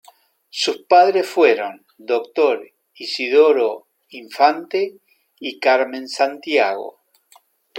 Sus padres fueron Dr. Isidoro Infante y Carmen Santiago.